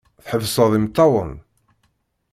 Tḥebseḍ imeṭṭawen.